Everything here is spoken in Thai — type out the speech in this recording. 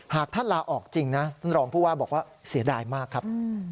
หากท่านลาออกจริงนะท่านรองผู้ว่าบอกว่าเสียดายมากครับ